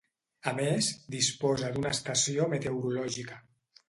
A més, disposa d'una estació meteorològica.